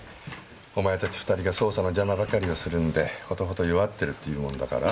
お前たち２人が捜査の邪魔ばかりをするんでほとほと弱ってるって言うもんだから。